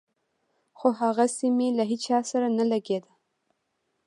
خو هغسې مې له هېچا سره نه لګېده.